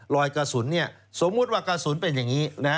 รอยกระสุนสมมุติว่ากระสุนเป็นอย่างนี้